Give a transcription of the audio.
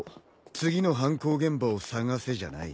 次の犯行現場を探せじゃない。